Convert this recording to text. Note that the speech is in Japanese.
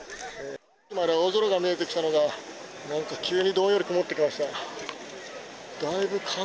今、青空が見えてきたのが、なんか急にどんより曇ってきました。